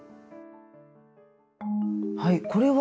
はいこれは？